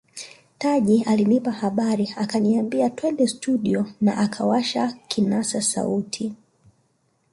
Taji alinipa habari akaniambia twende studio na akawasha kinasa sauti